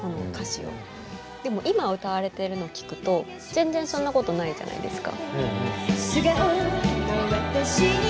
でも今歌われてるの聴くと全然そんなことないじゃないですか。